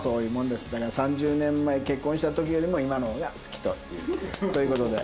だから３０年前結婚した時よりも今の方が好きというそういう事で。